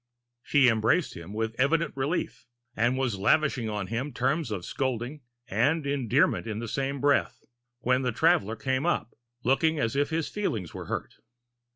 She embraced him with evident relief, and was lavishing on him terms of scolding and endearment in the same breath, when the traveler came up, looking as if his feelings were hurt.